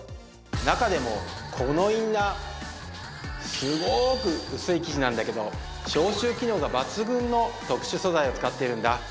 中でもこのインナーすごく薄い生地なんだけど消臭機能が抜群の特殊素材を使っているんだ